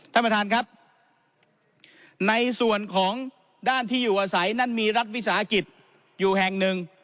ท่านประธานครับในส่วนของด้านที่อยู่อาศัยนั่นมีรัฐวิสาหกิจอยู่แห่งหนึ่ง